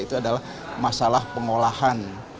itu adalah masalah pengolahan